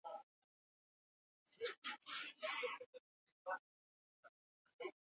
Baina prozesu herritarrak ez dira fase bakarrekoak, Otxandianoren esanetan.